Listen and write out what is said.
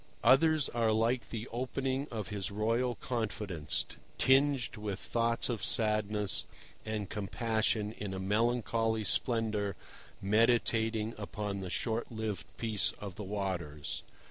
Others are like the opening of his royal confidence, tinged with thoughts of sadness and compassion in a melancholy splendour meditating upon the short lived peace of the waters.